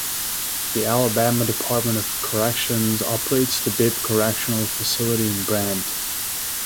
The Alabama Department of Corrections operates the Bibb Correctional Facility in Brent.